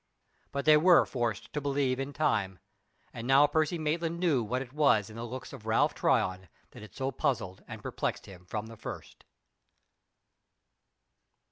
But they were forced to believe in time. And now Percy Maitland knew what it was in the looks of Ralph Tryon that had so puzzled and perplexed him from the first.